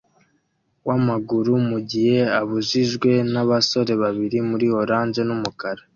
wamaguru mugihe abujijwe nabasore babiri muri orange numukara